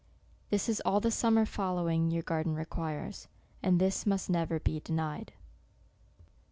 This is all the summer fallowing your garden requires, and this must never be denied.